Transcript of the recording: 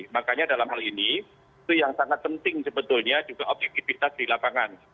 makanya dalam hal ini itu yang sangat penting sebetulnya juga objektivitas di lapangan